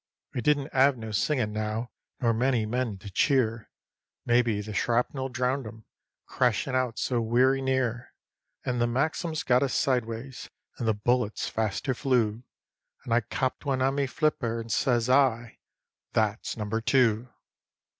We didn't 'ave no singin' now, nor many men to cheer; Maybe the shrapnel drowned 'em, crashin' out so werry near; And the Maxims got us sideways, and the bullets faster flew, And I copped one on me flipper, and says I: "That's number two."